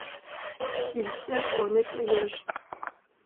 Il sert au nettoyage.